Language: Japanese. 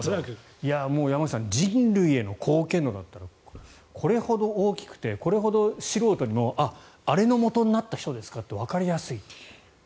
もう山口さん人類への貢献度だったらこれほど大きくてこれほど素人にもあ、あれのもとになったものですかとわかりやすいという。